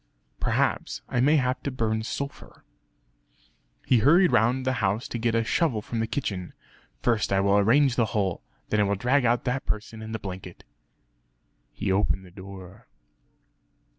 Perhaps I may have to burn sulphur." He hurried round the house to get a shovel from the kitchen "First I will arrange the hole then I will drag out that person in the blanket...." He opened the door....